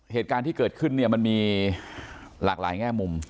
เหตุการณ์ที่เกิดขึ้นเนี่ยมันมีหลากหลายแง่มุม